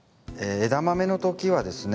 エダマメの時はですね